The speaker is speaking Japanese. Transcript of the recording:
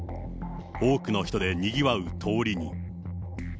多くの人でにぎわう通りに。